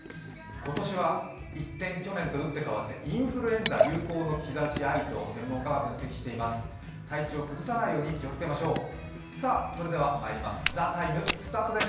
今年は一転、去年と打って変わってインフルエンザ流行の兆しありと専門家が分析しています。